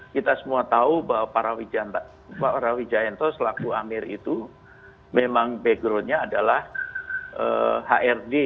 kita semua tahu bahwa pak rawi jayanto selaku amir itu memang backgroundnya adalah hrd